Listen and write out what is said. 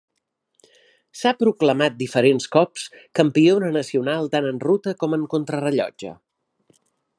S'ha proclamat diferents cops campiona nacional tant en ruta com en contrarellotge.